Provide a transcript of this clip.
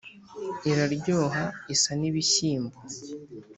iraryoha isa n' ibishyimbo :